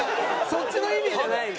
そっちの意味じゃないのよ。